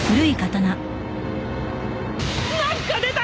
何か出た！？